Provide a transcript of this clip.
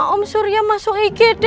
om surya masuk igd